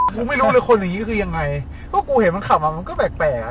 ไม่รู้เลยคนอย่างงี้คือยังไงก็กูเห็นมันขับมามันก็แปลกแปลกอ่ะ